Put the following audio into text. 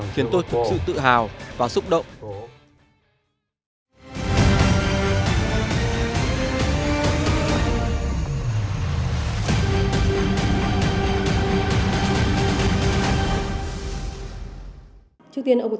khiến tôi thực sự tự hào và xúc động